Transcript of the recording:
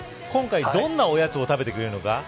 今回、どんなおやつを食べてくれるのか。